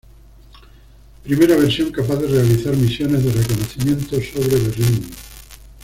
Primera versión capaz de realizar misiones de reconocimiento sobre Berlín.